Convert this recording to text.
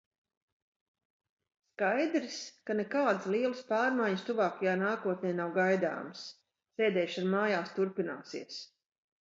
Skaidrs, ka nekādas lielas pārmaiņas tuvākajā nākotnē nav gaidāmas, sēdēšana mājās turpināsies.